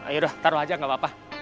ayo taruh aja gak apa apa